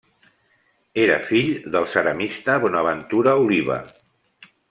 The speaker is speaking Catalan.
Era fill del ceramista Bonaventura Oliva.